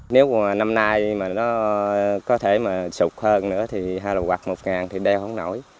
nếu năm nay mà nó có thể mà sụp hơn nữa thì hay là hoặc một ngàn thì đeo không nổi